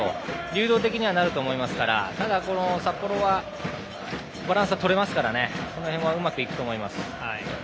流動的にできるのでただ、札幌はバランスは取れますからその辺はうまくいくと思います。